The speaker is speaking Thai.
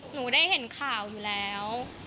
หนูได้เห็นข่าวอยู่แล้ว